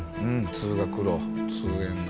通学路通園の。